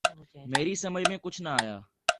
میری سمجھ میں کچھ نہ آیا۔